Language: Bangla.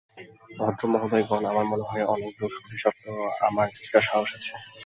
ভদ্রমহোদয়গণ, আমার মনে হয়, অনেক দোষ-ত্রুটি সত্ত্বেও আমার কিছুটা সাহস আছে।